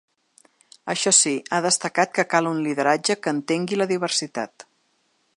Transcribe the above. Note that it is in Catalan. Això sí, ha destacat que cal “un lideratge que entengui la diversitat”.